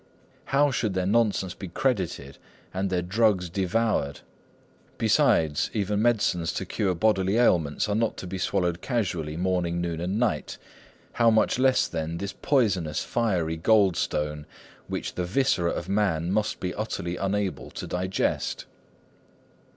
How should their nonsense be credited, and their drugs devoured? Besides, even medicines to cure bodily ailments are not to be swallowed casually, morning, noon, and night. How much less, then, this poisonous, fiery gold stone, which the viscera of man must be utterly unable to digest?"